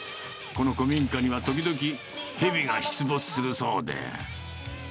この古民家には時々ヘビが出没するそうで。